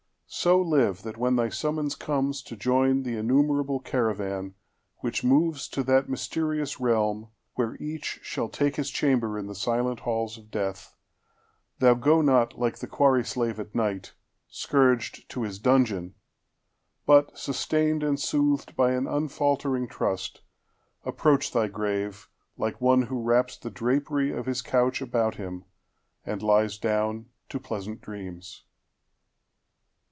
So live, that when thy summons comes to joinThe innumerable caravan which movesTo that mysterious realm, where each shall takeHis chamber in the silent halls of death, Thou go not, like the quarry slave at night, Scourged to his dungeon, but, sustained and soothedBy an unfaltering trust, approach thy graveLike one who wraps the drapery of his couchAbout him, and lies down to pleasant dreams.